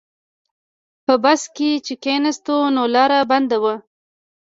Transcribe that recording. په بس کې چې کیناستو نو لاره بنده وه.